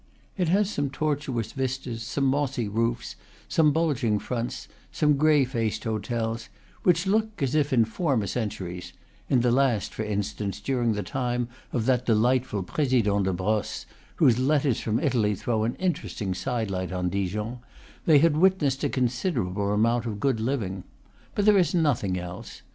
It has some tortuous vistas, some mossy roofs, some bulging fronts, some gray faced hotels, which look as if in former centuries in the last, for instance, during the time of that delightful President de Brosses, whose Letters from Italy throw an interesting side light on Dijon they had witnessed a considerable amount of good living. But there is nothing else.